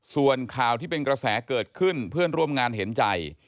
ส่วนข่าวที่เป็นกระแสเกิดขึ้นเพื่อนร่วมงานเห็นใจ